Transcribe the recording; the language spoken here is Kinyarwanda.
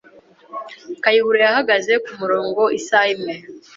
Kayihura yahagaze kumurongo isaha imwe.